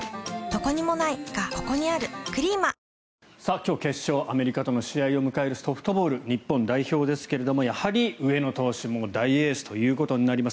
今日、決勝アメリカとの試合を迎えるソフトボール日本代表ですがやはり上野投手も大エースということになります。